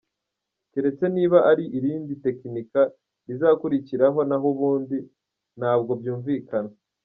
Keretse niba ari irindi tekinika rizakurikiraho naho ubundi ntabwo byunvikana.